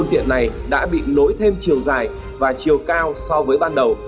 lòng thùng xe này đã bị nối thêm chiều dài và chiều cao so với ban đầu